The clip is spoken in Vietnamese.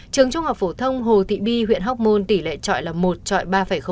trường trung học phổ thông hồ thị bi huyện hóc môn tỷ lệ trọi là một trọi ba